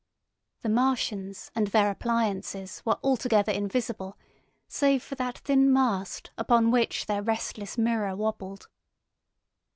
The Martians and their appliances were altogether invisible, save for that thin mast upon which their restless mirror wobbled.